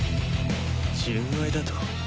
純愛だと？